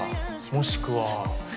もしくは